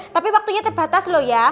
tapi waktunya terbatas loh ya